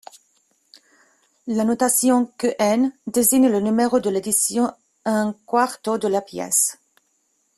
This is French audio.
La notation Qn désigne le numéro de l'édition in-quarto de la pièce.